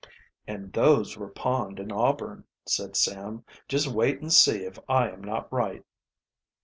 "And those were pawned in Auburn," said Sam. "Just wait and see if I am not right."